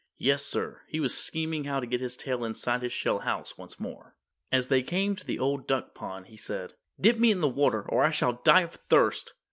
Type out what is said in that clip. Yes, sir, he was scheming how to get his tail inside his shell house once more. As they came to the Old Duck Pond he said, "Dip me in the water, or I shall die of thirst!"